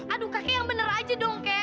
aduh kakek yang bener aja dong kek